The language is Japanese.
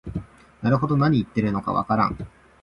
なるほど、なに言ってるのかわからん